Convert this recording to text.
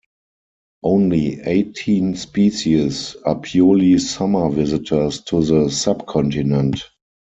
Only eighteen species are purely summer visitors to the subcontinent.